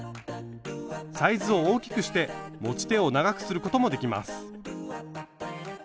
サイズを大きくして持ち手を長くすることもできます。